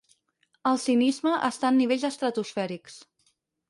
El cinisme està en nivells estratosfèrics.